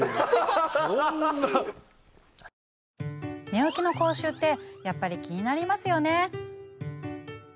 寝起きの口臭ってやっぱり気になりますよね。